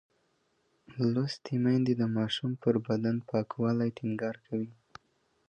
لوستې میندې د ماشوم پر بدن پاکوالی ټینګار کوي.